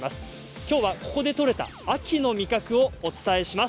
きょうはここで取れた秋の味覚をお伝えします